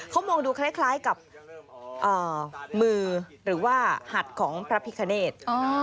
เขามองดูคล้ายกับมือหรือว่าหัดของพระพิคเนธ